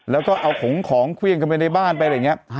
แล้วก็เอาของของเครื่องกันไปในบ้านไปอะไรอย่างนี้